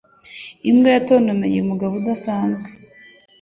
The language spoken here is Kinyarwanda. Imbwa yatonmugaboye umugabo udasanzwe.